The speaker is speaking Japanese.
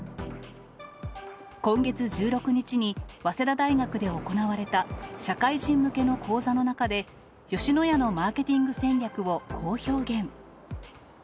今月１６日に、早稲田大学で行われた、社会人向けの講座の中で、吉野家のマーケティング戦略をこう表現。